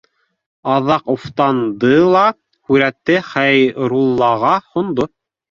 Аҙаҡ уфтанды ла һүрәтте Хәйруллаға һондо: